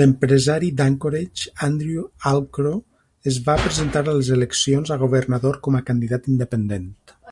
L'empresari d'Anchorage Andrew Halcro es va presentar a les eleccions a governador com a candidat independent.